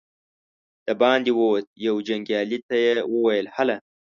د باندې ووت، يوه جنګيالي ته يې وويل: هله!